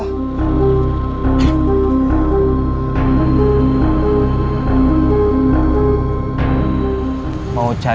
atau nasib kamu sama seperti si komar